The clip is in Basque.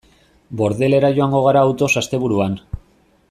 Bordelera joango gara autoz asteburuan.